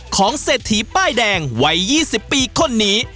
เศรษฐีป้ายแดงวัย๒๐ปีคนนี้